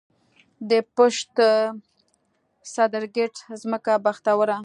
د پشد، صدرګټ ځمکه بختوره